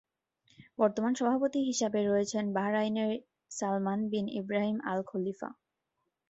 বর্তমান সভাপতি হিসেবে রয়েছেন বাহরাইনের সালমান বিন ইব্রাহিম আল-খলিফা।